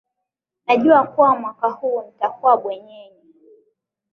Najua kuwa mwaka huu nitakuwa bwenyenye.